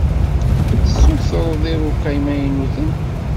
Tessutreḍ iruka imaynuten.